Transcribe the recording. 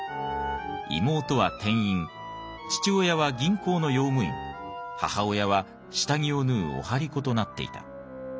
妹は店員父親は銀行の用務員母親は下着を縫うお針子となっていた。